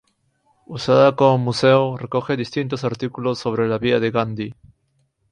Usada como museo, recoge distintos artículos sobre la vida de Gandhi.